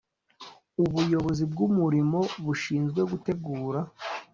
ubuyobozi bw umurimo bushinzwe gutegura